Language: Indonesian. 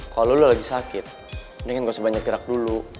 kalau lu lagi sakit mendingan gue sebanyak gerak dulu